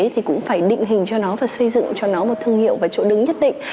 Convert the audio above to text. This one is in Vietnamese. thì cũng phải định hình cho nó và xây dựng cho nó một thương hiệu và chỗ đứng nhất định